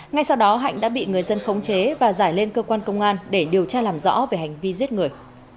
ngay sau đó hạnh đã bị người dân khống chế và giải lên cơ quan công an để điều tra làm rõ về hành vi giết người